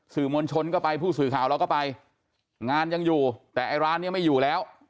สื่อมวลชนก็ไปผู้สื่อข่าวเราก็ไปงานยังอยู่แต่ไอ้ร้านนี้ไม่อยู่แล้ว